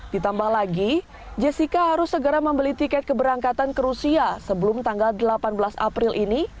ditambah lagi jessica harus segera membeli tiket keberangkatan ke rusia sebelum tanggal delapan belas april ini